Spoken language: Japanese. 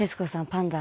パンダ